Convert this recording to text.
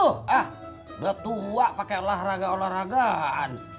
hah udah tua pake olahraga olahragan